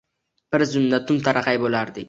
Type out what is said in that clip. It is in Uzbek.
Bir zumda tum-taraqay boʻlardik.